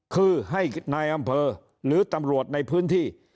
คือให้นายอำเภอหรือตำรวจในพื้นที่